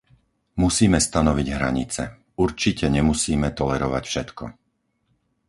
Musíme stanoviť hranice. Určite nemusíme tolerovať všetko.